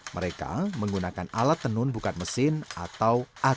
mereka menggunakan alat tenun buka mesin atau atbm